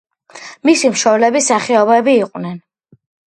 მისი მშობლები მსახიობები იყვნენ.